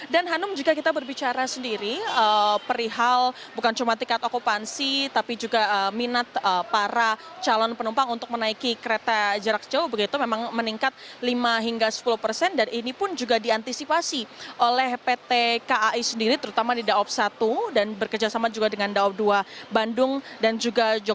dan hanum juga kita berbicara sendiri perihal bukan cuma tiket okupansi tapi juga minat para calon penumpang untuk menaiki kereta jarak sejauh begitu memang meningkat lima hingga sepuluh persen dan ini pun juga diantisipasi oleh pt kai sendiri terutama di daob satu dan berkerjasama juga dengan daob dua bandung dan juga yogyakarta